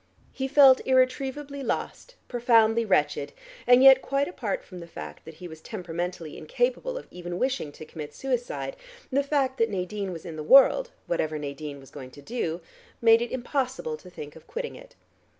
He felt irretrievably lost, profoundly wretched, and yet quite apart from the fact that he was temperamentally incapable of even wishing to commit suicide, the fact that Nadine was in the world (whatever Nadine was going to do) made it impossible to think of quitting it.